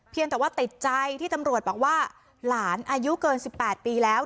แต่ว่าติดใจที่ตำรวจบอกว่าหลานอายุเกิน๑๘ปีแล้ว